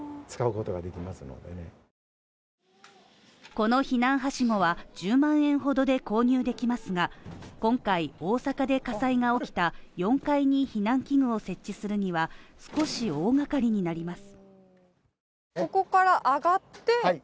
この避難はしごは１０万円ほどで購入できますが今回、大阪で火災が起きた４階に避難器具を設置するには少し大掛かりになります。